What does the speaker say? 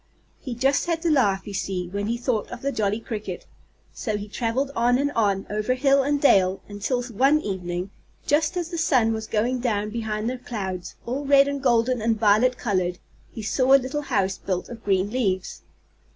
He just had to laugh, you see, when he thought of the jolly cricket. So he traveled on and on, over hill and dale, until one evening, just as the sun was going down behind the clouds, all red and golden and violet colored, he saw a little house built of green leaves.